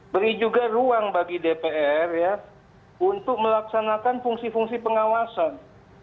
beri juga ruang bagi dpr untuk melaksanakan fungsi fungsi pengawasan